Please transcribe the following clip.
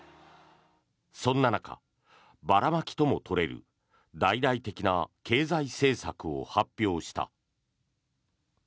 そんな中、ばらまきとも取れる大々的な経済政策を発表した。